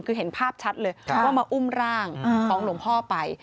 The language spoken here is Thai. คือเห็นภาพชัดเลยว่ามาอุ้มร่างของหลวงพ่อไป